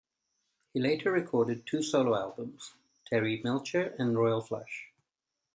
He later recorded two solo albums, "Terry Melcher" and "Royal Flush".